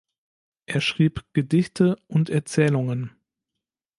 Er schrieb Gedichte und Erzählungen.